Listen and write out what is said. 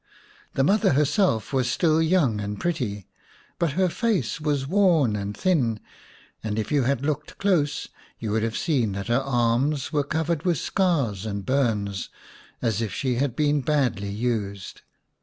The mother herself was still young and pretty, but her face was worn and thin, and if you had looked close you would have seen that her arms were covered with scars and burns, as if she had been badly used.